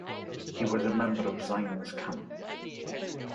He was a member of Zions Camp.